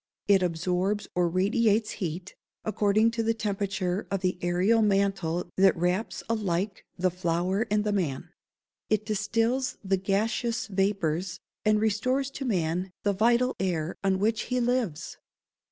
It absorbs or radiates heat, according to the temperature of the ærial mantle that wraps alike the flower and the man. It distills the gaseous vapours, and restores to man the vital air on which he lives.